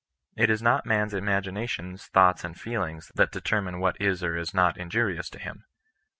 It is not man's imaginations, thoughts, and feelings, that determine what is or is not injurious to him.